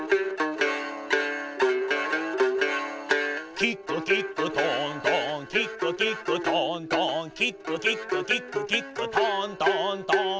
「キックキックトントンキックキックトントン」「キックキックキックキックトントントン」